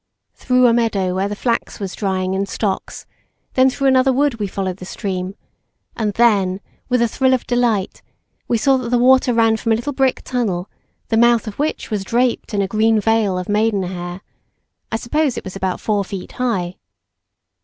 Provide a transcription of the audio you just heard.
Through a meadow where the flax was drying in stocks, then through another wood we followed the stream, and then with a thrill of delight, we saw that the water ran from a little brick tunnel, the mouth of which was draped in a green veil of maiden hair. I suppose it was about four feet high.